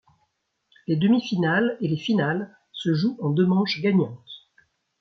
Les demi-finales et les finales se jouent en deux manches gagnantes.